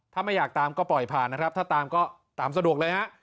ถ้าไม่อยากตามก็ปล่อยผ่านนะครับถ้าตามก็ตามสะดวกเลยฮะ